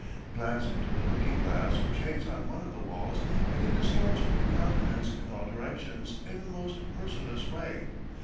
Glance into the looking glass which hangs on one of the walls, and it distorts your countenance in all directions in the most merciless way!